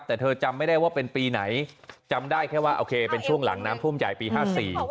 แต่เธอจำไม่ได้ว่าเป็นปีไหนจำได้แค่ว่าโอเคเป็นช่วงหลังน้ำท่วมใหญ่ปีห้าสี่